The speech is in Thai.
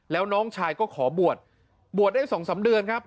แล้วน้องชายก็ขอบวชบวชได้๒๓เดือนครับ